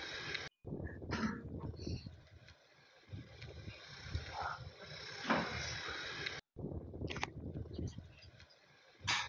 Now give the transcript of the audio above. katika ile serikali ambaye itakuja lakini sana sana utakuja kugundua kwamba wao hatimaye